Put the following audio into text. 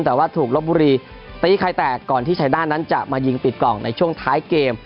แต่ว่าถูกลบบุรีตีไข่แตกก่อนที่ชายด้านนั้นจะมายิงปิดกล่องในช่วงท้ายเกม